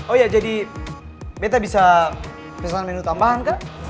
oh ya jadi meta bisa pesan menu tambahan kak